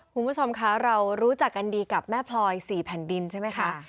คุณผู้ชมคะเรารู้จักกันดีกับแม่พลอย๔แผ่นดินใช่ไหมคะ